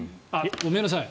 ごめんなさい。